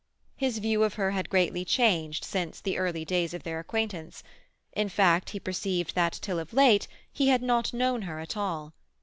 His view of her had greatly changed since the early days of their acquaintance; in fact, he perceived that till of late he had not known her at all.